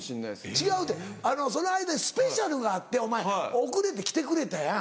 違うってその間にスペシャルがあってお前遅れて来てくれたやん。